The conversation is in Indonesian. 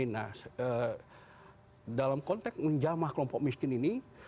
nah dalam konteks menjamah kelompok miskin ini